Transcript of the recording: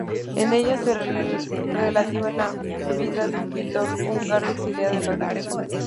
En ella se relata la vida de un pintor húngaro exiliado en Londres.